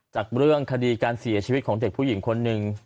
จากเรื่องคดีการเสียชีวิตของเด็กผู้หญิงคนหนึ่ง